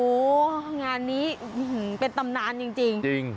โอ้โหงานนี้เป็นตำนานจริง